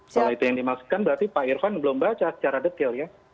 setelah itu yang dimaksudkan berarti pak irfan belum baca secara detail ya